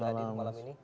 sudah hadir malam ini